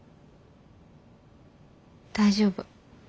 大丈夫。